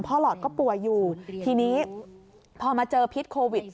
หลอดก็ป่วยอยู่ทีนี้พอมาเจอพิษโควิด